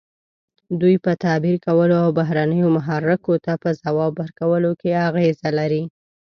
دوی په تعبیر کولو او بهرنیو محرکو ته په ځواب ورکولو کې اغیزه لري.